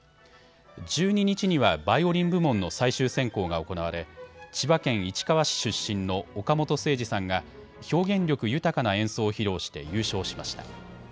１２日にはバイオリン部門の最終選考が行われ千葉県市川市出身の岡本誠司さんが表現力豊かな演奏を披露して優勝しました。